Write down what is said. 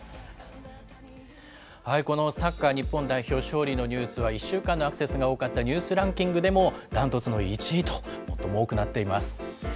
このサッカー日本代表勝利のニュースは、１週間のアクセスが多かったニュースランキングでも断トツの１位と、最も多くなっています。